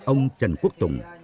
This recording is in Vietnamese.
ông trần quốc tùng